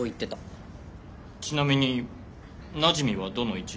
ちなみになじみはどの位置？